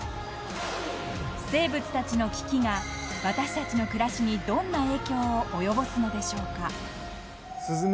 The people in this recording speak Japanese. ［生物たちの危機が私たちの暮らしにどんな影響を及ぼすのでしょうか］